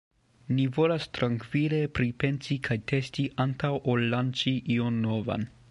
Ni volas trankvile pripensi kaj testi antaŭ ol lanĉi ion novan.